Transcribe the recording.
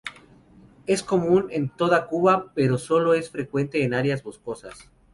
Es común en toda Cuba, pero sólo es frecuente en áreas boscosas.